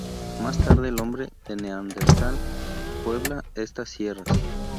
Más tarde el hombre de Neandertal puebla estas sierras.